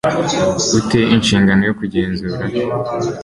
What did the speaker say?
u te inshingano yo kugenzura